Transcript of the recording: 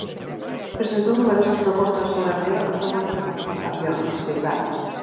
Presentou numerosas propostas sobre a mellora dos órganos de participación; rexeitada.